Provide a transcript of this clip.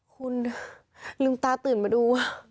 คุณลืมตาตื่นมาดู